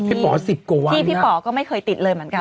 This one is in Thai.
ที่พี่พอออกก็ไม่เคยติดเลยมันกัน